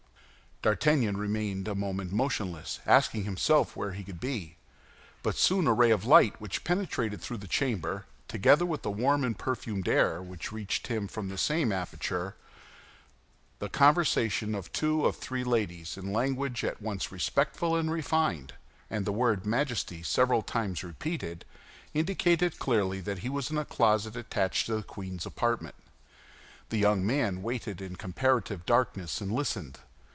D'Artagnan remained for a moment motionless, asking himself where he could be; but soon a ray of light which penetrated through the chamber, together with the warm and perfumed air which reached him from the same aperture, the conversation of two of three ladies in language at once respectful and refined, and the word "Majesty" several times repeated, indicated clearly that he was in a closet attached to the queen's apartment. The young man waited in comparative darkness and listened.